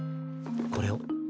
これを。